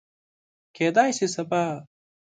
کیدای شي سبا